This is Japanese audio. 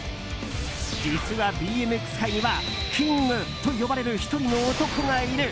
実はＢＭＸ界にはキングと呼ばれる１人の男がいる。